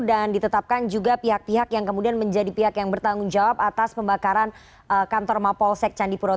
dan ditetapkan juga pihak pihak yang kemudian menjadi pihak yang bertanggung jawab atas pembakaran kantor mapolsek candipuro